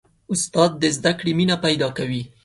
استاد د زده کړې مینه پیدا کوي.